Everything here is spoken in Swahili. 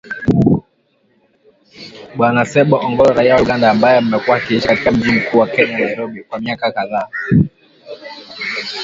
Bwana Ssebbo Ogongo, raia wa Uganda, ambaye amekuwa akiishi katika mji mkuu wa Kenya, Nairobi, kwa miaka kadhaa.